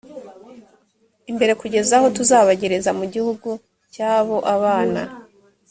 imbere kugeza aho tuzabagereza mu gihugu cyabo abana